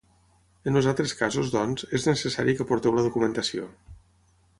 En els altres casos, doncs, és necessari que aporteu la documentació.